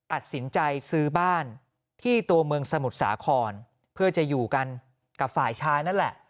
ตัดสินใจซื้อบ้านที่ตัวเมืองสมุทรสาครเพื่อจะอยู่กันกับฝ่ายชายนั่นแหละ